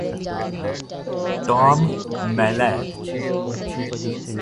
Tom نے دو ہفتوں سے اپنے بال نہیں دھوئے